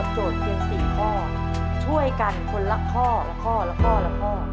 โจทย์เตรียม๔ข้อช่วยกันคนละข้อและข้อและข้อและข้อ